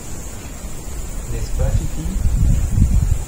N’est-ce pas, fifille ?